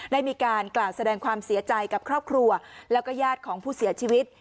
ได้มีการกล่าวแสดงความเสียใจกับครอบครัวแล้วก็ญาติของผู้เสียชีวิต